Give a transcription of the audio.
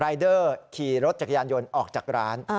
เดอร์ขี่รถจักรยานยนต์ออกจากร้าน